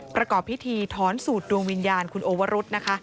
ประกอบพิธีถอนสูตรดวงวิญญาณคุณโอวรุษนะคะ